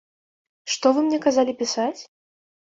Што вы мне казалі пісаць?